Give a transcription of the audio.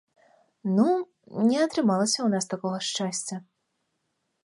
Ну, не атрымалася ў нас такога шчасця.